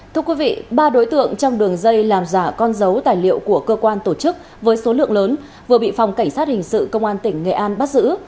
thưa quý vị ba đối tượng trong đường dây làm giả con dấu tài liệu của cơ quan tổ chức với số lượng lớn vừa bị phòng cảnh sát hình sự công an tỉnh nghệ an bắt giữ